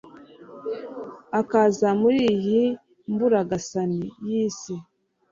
akaza muri iyi mburagasani yisi